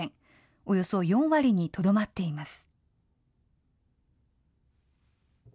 およそ４割にとどまっています。